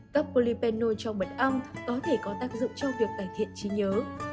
các polyphenol trong mật ong có thể có tác dụng cho việc cải thiện trí nhớ